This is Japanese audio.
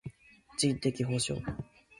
人的補償